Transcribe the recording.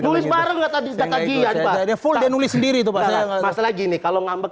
nulis bareng kata dia dia full dia nulis sendiri tuh pak saya gak ikut masalah gini kalau ngambek